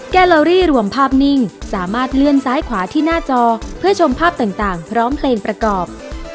ลอรี่รวมภาพนิ่งสามารถเลื่อนซ้ายขวาที่หน้าจอเพื่อชมภาพต่างพร้อมเพลงประกอบ